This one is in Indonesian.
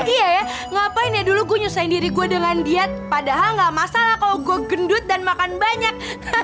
iya ya ngapain ya dulu gue nyusahin diri gue dengan diet padahal gak masalah kalau gue gendut dan makan banyak